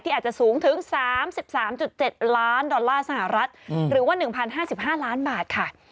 อาจจะสูงถึง๓๓๗ล้านดอลลาร์สหรัฐหรือว่า๑๐๕๕ล้านบาทค่ะ